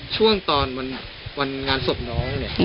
ช่วงตอนวันงานศพน้องเนี่ย